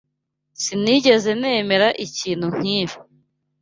Sinigeze nemera ikintu nk'iki.